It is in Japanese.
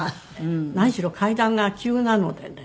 何しろ階段が急なのでね。